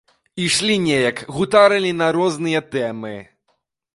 Ішлі неяк, гутарылі на розныя тэмы.